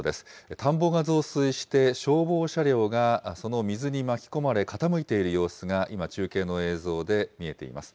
田んぼが増水して、消防車両がその水に巻き込まれ、傾いている様子が今、中継の映像で見えています。